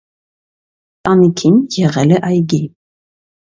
Տանիքին եղել է այգի։